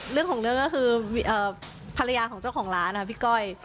เรื่องของเรื่องก็คือภรรยาของเจ้าของร้านนะครับพี่ก้อย